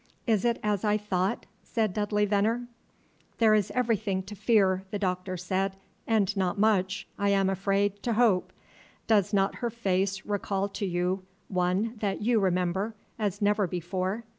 "Is it as I thought?" said Dudley Veneer. "There is everything to fear," the Doctor said, "and not much, I am afraid, to hope. Does not her face recall to you one that you remember, as never before?"